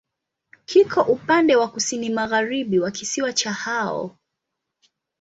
Kiko upande wa kusini-magharibi wa kisiwa cha Hao.